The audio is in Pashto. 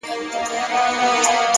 پوه انسان تل د حقیقت پلټونکی وي.!